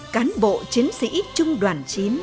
cán bộ chiến sĩ trung đoàn chín